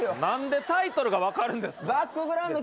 ⁉何でタイトルが分かるんですか。